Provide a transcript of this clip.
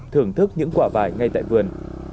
thưởng thức những quả vải ngay tại vườn